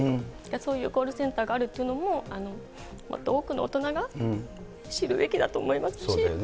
そういうコールセンターがあるっていうのも、多くの大人が知るべきだと思いますし。